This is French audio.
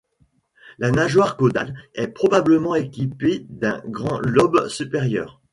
La nageoire caudale est probablement équipée d'un grand lobe supérieur.